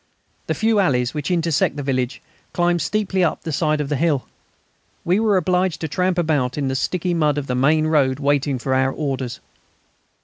The few alleys which intersect the village climb steeply up the side of the hill. We were obliged to tramp about in the sticky mud of the main road waiting for our orders.